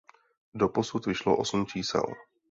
Doposud vyšlo osm čísel.